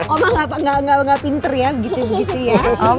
omang nggak pinter ya begitu begitu ya